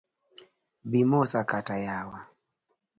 Bemosa kata yawa.